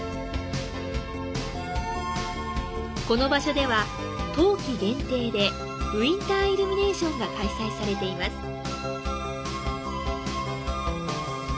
この場所では、冬季限定で「ウィンターイルミネーション」が開催されています。